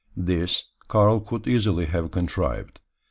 This Karl could easily have contrived.